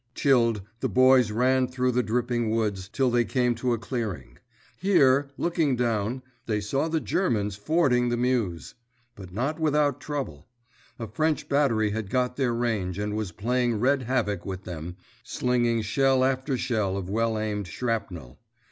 Chilled, the boys ran through the dripping woods till they came to a clearing. Here, looking down, they saw the Germans fording the Meuse! But not without trouble; a French battery had got their range, and was playing red havoc with them, slinging shell after shell of well aimed shrapnel.